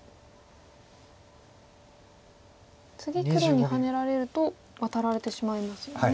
次黒にハネられるとワタられてしまいますよね。